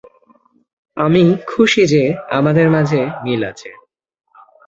আমি খুশি যে আমাদের মাঝে মিল আছে।